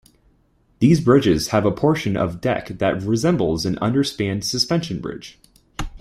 These bridges have a portion of deck that resembles an underspanned suspension bridge.